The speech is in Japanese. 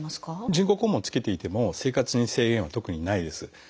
人工肛門をつけていても生活に制限は特にないです。